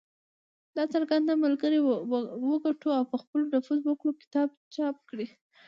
د"څرنګه ملګري وګټو او په خلکو نفوذ وکړو" کتاب چاپ کړ .